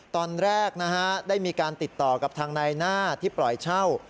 ตอนแรกนะฮะได้มีการติดต่อกับทางนายหน้าที่ปล่อยเช่า